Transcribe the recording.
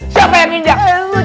siapa yang diinjak